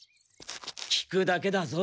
聞くだけだぞ。